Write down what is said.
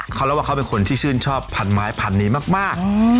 เขาเล่าว่าเขาเป็นคนที่ชื่นชอบพันไม้พันนี้มาก